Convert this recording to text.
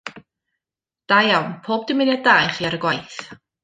Da iawn, pob dymuniad da ichi ar y gwaith.